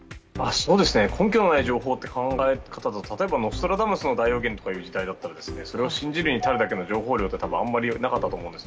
根拠のない情報って考え方だと例えばノストラダムスの大予言とかいう時代だったらそれを信じるに足るだけの情報量ってあんまりなかったと思うんです。